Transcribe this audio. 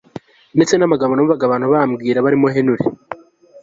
ndetse namagambo numvaga abantu bambwira barimo Henry